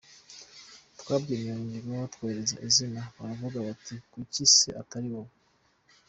Twabyemeranyijweho, twohereza izina, baravuga bati kuki se atari wowe ?